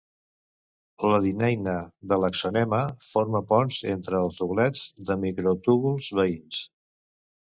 La dineïna de l'axonema forma ponts entre els doblets de microtúbuls veïns.